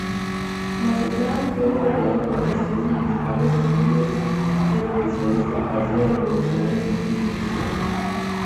Mazatlán fue gobernado por presidentes municipales surgidos del oficialista Partido Revolucionario Institucional.